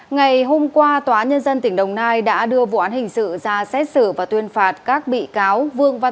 ngày hôm qua tòa nhân dân tỉnh đồng nai đã đưa vụ án hình sự ra xét xử và tuyên phạt các bị cá độ bóng đá